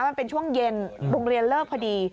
มันเป็นช่วงเย็นโรงเรียนเลิกพอดี